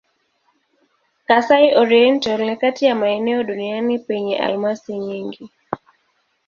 Kasai-Oriental ni kati ya maeneo duniani penye almasi nyingi.